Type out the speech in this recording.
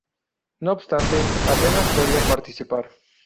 No obstante, apenas podía participar.